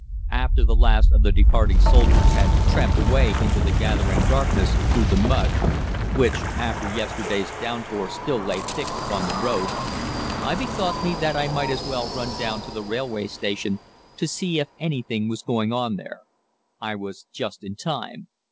After the last of the departing soldiers had tramped away into the gathering darkness through the mud, which after yesterday's downpour still lay thick upon the roads, I bethought me that I might as well run down to the railway station to see if anything was going on there. I was just in time.